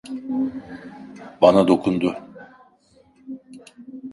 Bana dokundu.